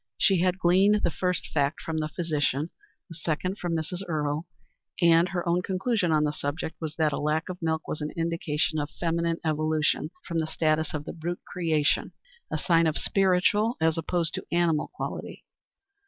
She had gleaned the first fact from the physician, the second from Mrs. Earle, and her own conclusion on the subject was that a lack of milk was an indication of feminine evolution from the status of the brute creation, a sign of spiritual as opposed to animal quality.